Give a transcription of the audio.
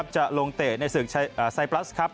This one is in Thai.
จะลงเตะในศึกไซปลัสครับ